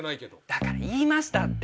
だから言いましたって！